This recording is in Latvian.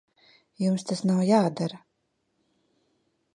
Jums tas nav jādara.